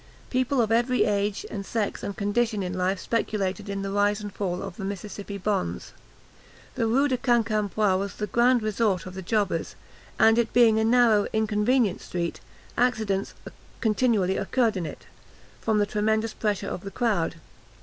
People of every age and sex and condition in life speculated in the rise and fall of the Mississippi bonds. The Rue de Quincampoix was the grand resort of the jobbers, and it being a narrow, inconvenient street, accidents continually occurred in it, from the tremendous pressure of the crowd.